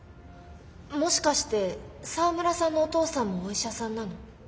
もしかして沢村さんのお父さんもお医者さんなの？